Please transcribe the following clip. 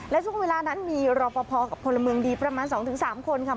และช่วงเวลานั้นมีรอปภกับพลเมืองดีประมาณ๒๓คนค่ะ